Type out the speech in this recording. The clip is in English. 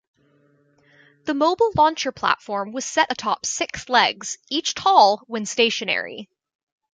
The Mobile Launcher Platform was set atop six legs, each tall, when stationary.